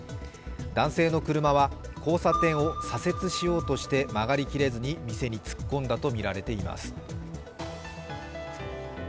男性の車は交差点を左折しようとして曲がり切れずに店に突っ込んだとみられています。